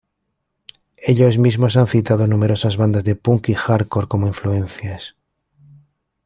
Ellos mismos han citado numerosas bandas de punk y hardcore como influencias.